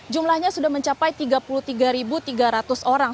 jumlahnya sudah mencapai tiga puluh tiga tiga ratus orang